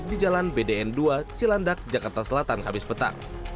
di jalan bdn dua cilandak jakarta selatan habis petang